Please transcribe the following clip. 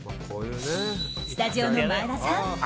スタジオの前田さん